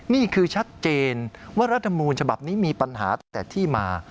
นี่คือชัดเจนว่ารัฐมนูญฉบับนี้มีปัญหาตั้งแต่ที่มา